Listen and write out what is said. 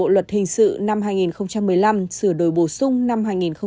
bộ luật hình sự năm hai nghìn một mươi năm sửa đổi bổ sung năm hai nghìn một mươi bảy